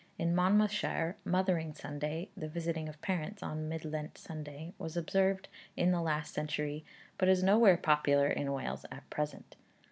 In Monmouthshire, Mothering Sunday the visiting of parents on Mid Lent Sunday was observed in the last century, but is nowhere popular in Wales at present.